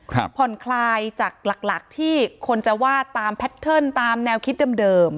ผ่อนคลายจากหลักหลักที่คนจะว่าตามแพทเทิร์นตามแนวคิดเดิมเดิม